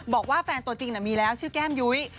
บอกว่าแฟนตัวจริงมีแล้วชื่อแก้มยุ้ย